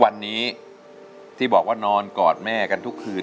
ทั้งในเรื่องของการทำงานเคยทำนานแล้วเกิดปัญหาน้อย